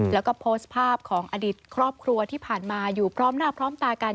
แล้วก็โพสต์ภาพของอดีตครอบครัวที่ผ่านมาอยู่พร้อมหน้าพร้อมตากัน